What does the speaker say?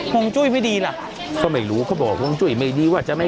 วงจุ้ยไม่ดีล่ะก็ไม่รู้เขาบอกห่วงจุ้ยไม่ดีว่าจะไม่